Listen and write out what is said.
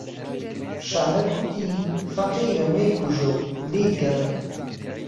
شەعره کوتی فهقيره مهیکوژه و لیی گەڕێ